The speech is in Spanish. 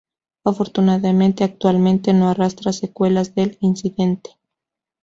Afortunadamente actualmente no arrastra secuelas del incidente.